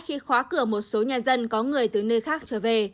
khi khóa cửa một số nhà dân có người từ nơi khác trở về